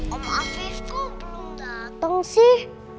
om afif kok belum datang sih